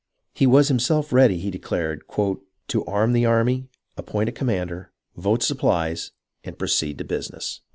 He himself was ready, he declared, " to arm the army, appoint a commander, vote supplies, and proceed to business."